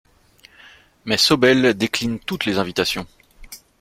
Mais Sobel décline toutes les invitations.